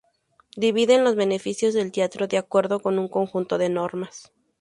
Dividen los beneficios del teatro de acuerdo con un conjunto de normas.